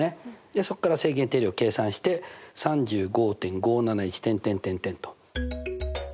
そっから正弦定理を計算して３５．５７１と。